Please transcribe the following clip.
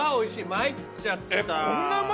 参っちゃった。